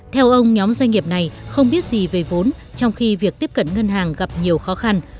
theo ông nhóm doanh nghiệp này không biết gì về vốn trong khi việc tiếp cận ngân hàng gặp nhiều khó khăn